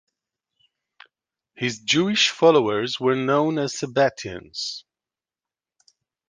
His Jewish followers were known as Sabbateans.